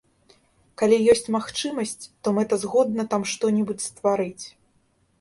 Калі ёсць магчымасць, то мэтазгодна там што-небудзь стварыць.